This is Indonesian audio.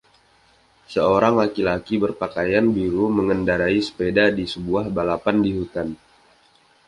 Seorang lelaki berpakaian biru mengendarai sepeda di sebuah balapan di hutan.